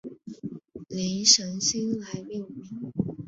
灵神星来命名。